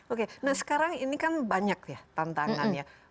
oke nah sekarang ini kan banyak ya tantangannya